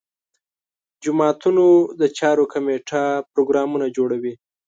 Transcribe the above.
جوماتونو د چارو کمیټه پروګرامونه جوړوي.